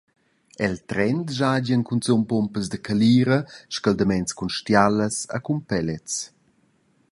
El trend schaigien cunzun pumpas da calira, scaldaments cun stialas e cun pellets.